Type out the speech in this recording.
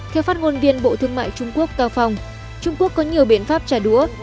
theo phát ngôn viên bộ thương mại trung quốc cao phong trung quốc có nhiều biện pháp trả đũa